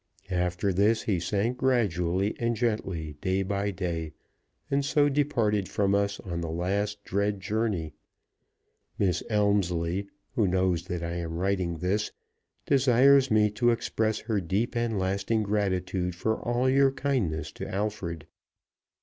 After this he sank gradually and gently day by day, and so departed from us on the last dread journey. Miss Elmslie (who knows that I am writing this) desires me to express her deep and lasting gratitude for all your kindness to Alfred.